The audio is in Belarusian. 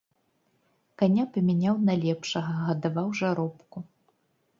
Каня памяняў на лепшага, гадаваў жаробку.